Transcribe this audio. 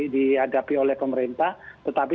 diadapi oleh pemerintah tetapi